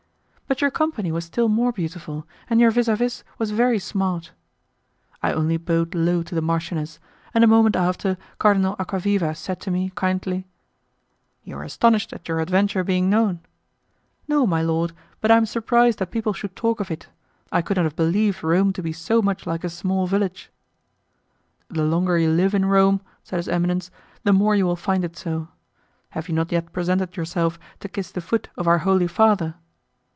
"But your company was still more beautiful, and your vis a vis was very smart." I only bowed low to the marchioness, and a moment after Cardinal Acquaviva said to me, kindly, "You are astonished at your adventure being known?" "No, my lord; but I am surprised that people should talk of it. I could not have believed Rome to be so much like a small village." "The longer you live in Rome," said his eminence, "the more you will find it so. You have not yet presented yourself to kiss the foot of our Holy Father?"